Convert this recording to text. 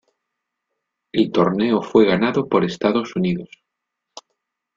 El torneo fue ganado por Estados Unidos.